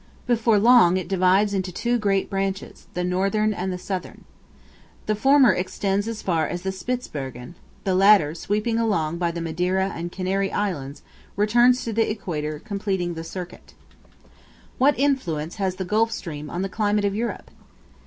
Before long it divides into two great branches the northern and southern. The former extends as far as Spitzbergen; the latter, sweeping along by the Madeira and Canary Islands, returns to the equator, completing the circuit. What influence has the Gulf Stream on the climate of Europe?